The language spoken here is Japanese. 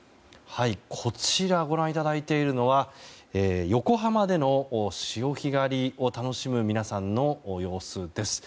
こちらご覧いただいているのは横浜での潮干狩りを楽しむ皆さんの様子です。